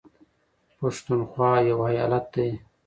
پښنونخوا يو ايالت دى